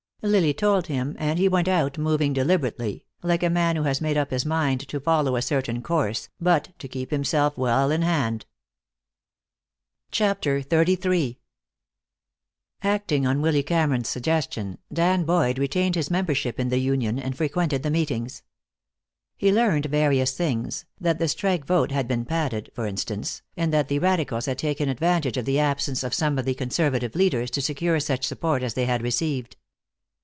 Lily told him and he went out, moving deliberately, like a man who has made up his mind to follow a certain course, but to keep himself well in hand. CHAPTER XXXIII Acting on Willy Cameron's suggestion, Dan Boyd retained his membership in the union and frequented the meetings. He learned various things, that the strike vote had been padded, for instance, and that the Radicals had taken advantage of the absence of some of the conservative leaders to secure such support as they had received.